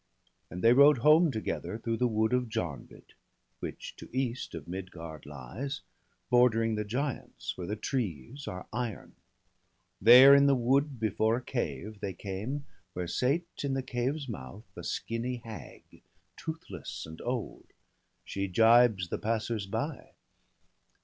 And they rode home together, through the wood Of Jarnvid, which to east of Midgard lies Bordering the giants, where the trees are iron; There in the wood before a cave they came Where sate, in the cave's mouth, a skinny hag. Toothless and old ; she gibes the passers by.